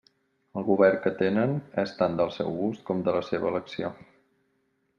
El govern que tenen és tant del seu gust com de la seva elecció.